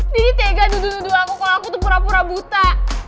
dini tega duduk duduk aku kalau aku tuh pura pura buta